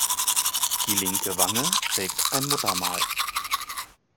Die linke Wange prägte ein Muttermal.